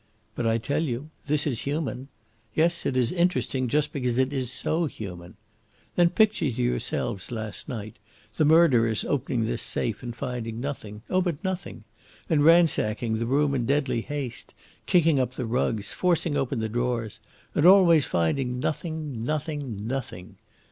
But I tell you this is human. Yes, it is interesting just because it is so human. Then picture to yourselves last night, the murderers opening this safe and finding nothing oh, but nothing! and ransacking the room in deadly haste, kicking up the rugs, forcing open the drawers, and always finding nothing nothing nothing.